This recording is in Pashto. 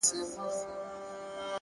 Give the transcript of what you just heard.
هره ناکامي د تجربې خزانه زیاتوي.!